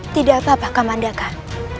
tidak apa apa kamandakan